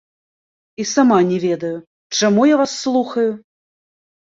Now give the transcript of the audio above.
І сама не ведаю, чаму я вас слухаю.